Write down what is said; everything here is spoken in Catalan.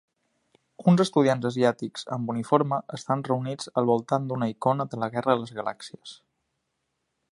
Uns estudiants asiàtics amb uniforme estan reunits al voltant d'una icona de la Guerra de les Galàxies.